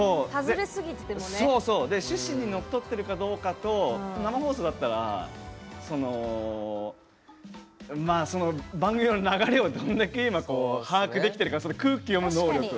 趣旨に則ってるかどうかと生放送だったら番組の流れをどんだけ把握できているか空気を読む能力。